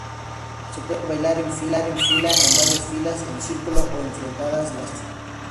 Se puede bailar en fila, en varias filas, en círculo o enfrentadas las parejas.